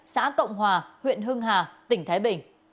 xã cộng hòa huyện hưng hà tỉnh thái bình